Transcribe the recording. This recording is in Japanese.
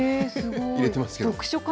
入れてますけど。